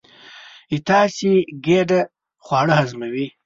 ستاسې ګېډه خواړه هضموي.